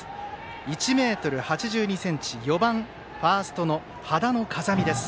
１ｍ８２ｃｍ４番ファーストの羽田野颯未です。